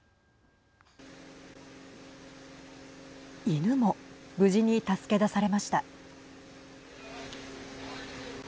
犬も無事に助け出されました。